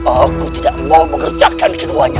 aku tidak mau bekerjakan keduanya